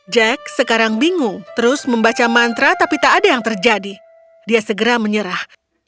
jack sekarang bingung terus membaca mantra tapi tak ada yang terjadi dia segera menyerah